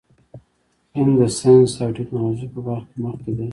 هند د ساینس او ټیکنالوژۍ په برخه کې مخکې دی.